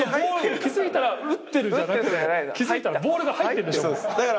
気付いたら打ってるじゃなくて気付いたらボールが入ってんでしょ？